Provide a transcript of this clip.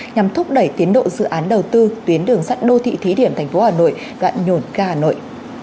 nhằm thúc đẩy tiến độ dự án đầu tư tuyến đường sắt đô thị thí điểm thành phố hà nội gạn nhổn ca hà nội